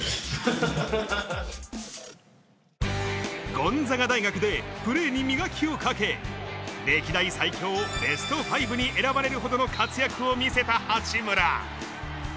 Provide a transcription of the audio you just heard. ゴンザガ大学でプレーに磨きをかけ、歴代最強ベスト５に選ばれるほどの活躍を見せた八村。